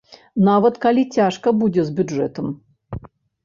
Нават калі цяжка будзе з бюджэтам.